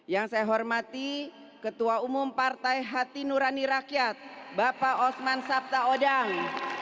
yang saya hormati ketua umum partai hati nurani rakyat bapak osman sabta odang